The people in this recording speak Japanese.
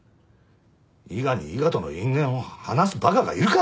伊賀に伊賀との因縁を話すバカがいるか！